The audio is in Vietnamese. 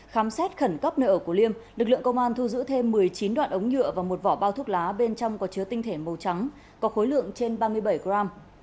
khám xét khẩn cấp nơi ở của liêm lực lượng công an thu giữ thêm một mươi chín đoạn ống nhựa và một vỏ bao thuốc lá bên trong có chứa tinh thể màu trắng có khối lượng trên ba mươi bảy gram